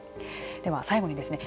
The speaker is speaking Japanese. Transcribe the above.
では最後にですね